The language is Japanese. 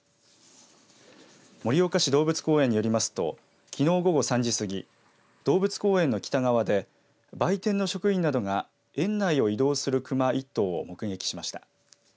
盛岡市動物公園によりますときのう午後３時すぎ動物公園の北側で売店の職員などが園内を移動する熊１頭を目撃しました。